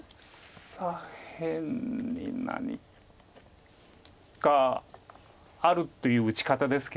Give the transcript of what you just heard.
左辺に何かあるっていう打ち方ですけれども。